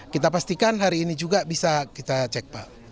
kita pastikan hari ini juga bisa kita cek pak